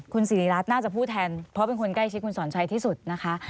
คุณสิริรัตน์น่าจะพูดแทนเพราะเป็นคนใกล้ชิดคุณสอนชัยที่สุดนะคะ